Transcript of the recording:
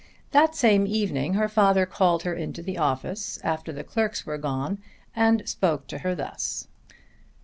That same evening her father called her into the office after the clerks were gone and spoke to her thus.